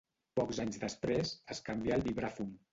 Pocs anys després, es canvià al vibràfon.